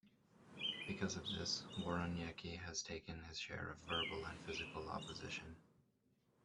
Because of this, Woroniecki has taken his share of verbal and physical opposition.